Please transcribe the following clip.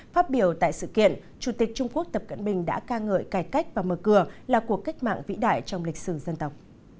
phát biểu tại sự kiện chủ tịch trung quốc tập cận bình đã ca ngợi cải cách và mở cửa là cuộc cách mạng vĩ đại trong lịch sử dân tộc